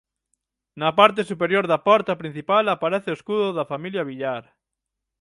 Na parte superior da porta principal aparece o escudo da familia Villar.